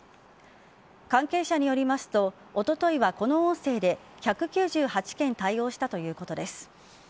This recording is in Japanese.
関係者によりますとおとといはこの音声で１９８件対応したということです。